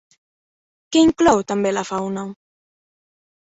Què inclou també la fauna?